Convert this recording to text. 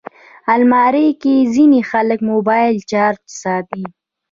الماري کې ځینې خلک موبایل چارجر ساتي